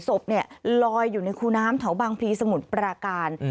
ศพลอยอยู่ในคูน้ำแถวบางพลีสมุทรปราการ